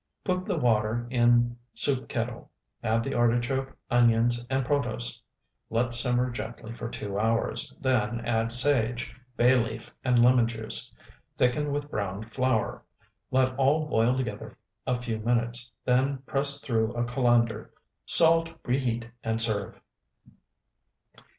Put the water in soup kettle; add the artichoke, onions, and protose. Let simmer gently for two hours, then add sage, bay leaf, and lemon juice. Thicken with browned flour. Let all boil together a few minutes, then press through a colander, salt, reheat, and serve.